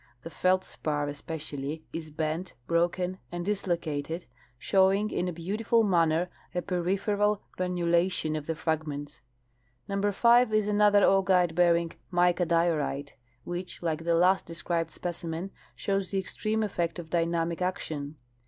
The feldspar especially is bent, broken and dislocated, showing in a beautiful manner a peripheral granulation of the fragments.'^^ Number 5 is another augite b earing mica diorite, Avhich, like the last described specimen, shows the extreme effect of dynamic action.